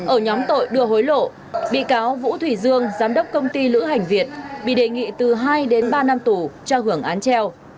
ở nhóm tội đưa hối lộ bị cáo vũ thủy dương giám đốc công ty lữ hành việt bị đề nghị từ hai đến ba năm tù cho hưởng án treo